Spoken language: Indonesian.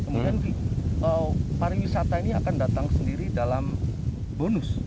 kemudian para wisata ini akan datang sendiri dalam bonus